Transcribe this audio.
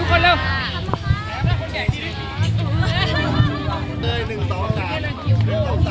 ขอบคุณทุกคนเร็ว